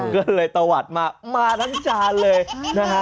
ก็เลยตะวัดมามาทั้งจานเลยนะฮะ